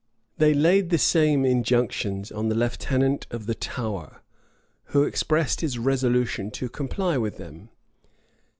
They laid the same injunctions on the lieutenant of the Tower, who expressed his resolution to comply with them.